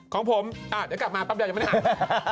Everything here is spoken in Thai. ของผมเดี๋ยวกลับมาแป๊บเดียวยังไม่ได้อ่าน